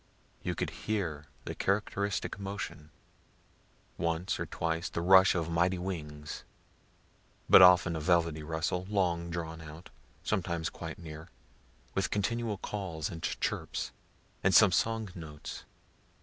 You could hear the characteristic motion once or twice "the rush of mighty wings," but often a velvety rustle, long drawn out sometimes quite near with continual calls and chirps, and some song notes.